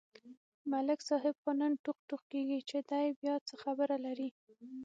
ملک صاحب خو نن ټوغ ټوغ کېږي، چې دی بیا څه خبره لري.